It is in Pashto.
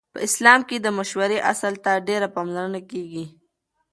په اسلام کې د مشورې اصل ته ډېره پاملرنه کیږي.